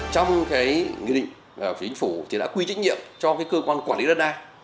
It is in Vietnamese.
trong cái nghị định chính phủ đã quy trách nhiệm cho cơ quan quản lý đất đa